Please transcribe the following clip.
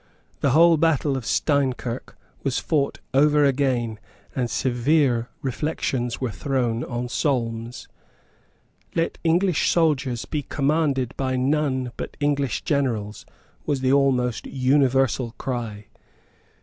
The whole battle of Steinkirk was fought over again; and severe reflections were thrown on Solmes. "Let English soldiers be commanded by none but English generals," was the almost universal cry.